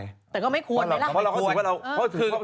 แต่ก็ไม่ควรไงล่ะไม่ควร